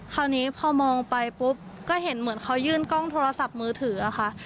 คราวนี้พอมองไปปุ๊บก็เห็นเหมือนเขายื่นกล้องโทรศัพท์มือถืออะค่ะ